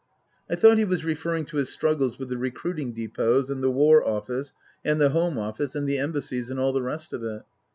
I thought he was referring to his struggles with the recruiting depots and the War Office and the Home Office and the Embassies and all the rest of it.